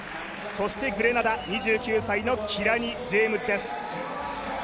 そしてグレナダ、２９歳のキラニ・ジェームズです。